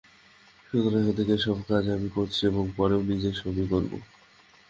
সুতরাং এখন থেকে ঐ-সব কাজ আমিই করছি এবং পরেও নিজেই সব করব।